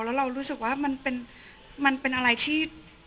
แล้วเรารู้สึกว่ามันเป็นอะไรที่